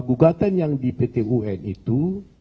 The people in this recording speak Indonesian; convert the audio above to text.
gugatan yang di pt un itu